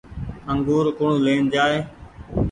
انگور ڪوڻ لين جآئي ۔